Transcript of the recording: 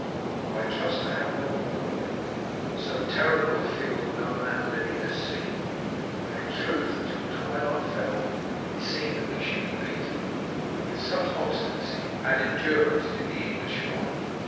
But I trust to have no more of it; so terrible a field no man living has seen, and in truth until twilight fell it seemed that we should be beaten, with such obstinacy and endurance did the English fight.